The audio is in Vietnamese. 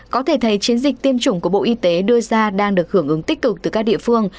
có thể thấy chiến dịch tiêm chủng của bộ y tế đưa ra đang được hưởng ứng tích cực từ các địa phương